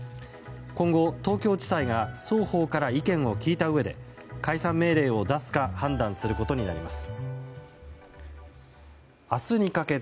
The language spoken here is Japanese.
今後、東京地裁が双方から意見を聞いたうえで解散命令を出すか判断することになります。